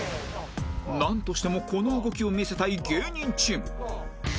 なんとしてもこの動きを見せたい芸人チーム